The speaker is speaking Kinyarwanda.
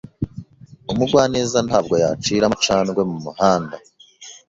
Umugwaneza ntabwo yacira amacandwe mumuhanda.